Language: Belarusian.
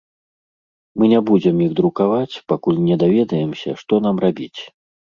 Мы не будзем іх друкаваць, пакуль не даведаемся, што нам рабіць.